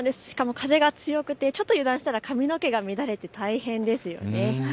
しかも風が強くてちょっと油断したら髪の毛が乱れて大変ですよね。